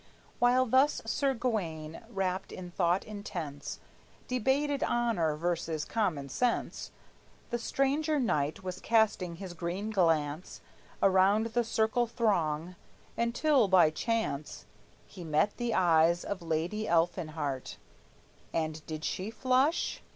While thus Sir Gawayne, wrapped in thought intense, Debated honor versus common sense, The stranger knight was casting his green glance Around the circling throng, until by chance He met the eyes of Lady Elfinhart, And did she flush?